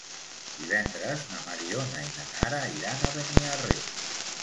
Divendres na Mariona i na Nara iran a Beniarrés.